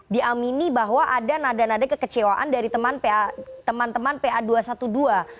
diamini bahwa ada nada nada kekecewaan dari teman teman pa dua ratus dua belas